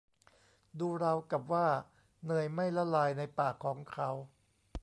ดูราวกับว่าเนยไม่ละลายในปากของเขา